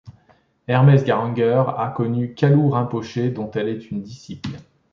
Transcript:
Hermès Garanger a connu Kalou Rinpoché, dont elle est une disciple.